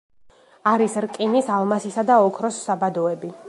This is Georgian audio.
არის რკინის, ალმასისა და ოქროს საბადოები.